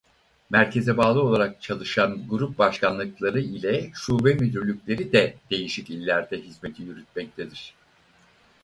Merkeze bağlı olarak çalışan grup başkanlıkları ile şube müdürlükleri de değişik illerde hizmeti yürütmektedir.